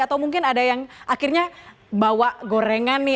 atau mungkin ada yang akhirnya bawa gorengan nih